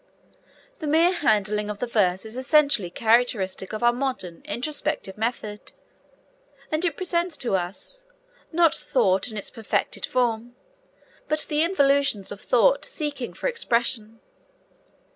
The mere handling of the verse is essentially characteristic of our modern introspective method, as it presents to us, not thought in its perfected form, but the involutions of thought seeking for expression.